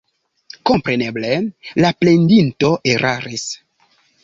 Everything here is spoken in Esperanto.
Kompreneble, la plendinto eraris.